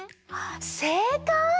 せいかい！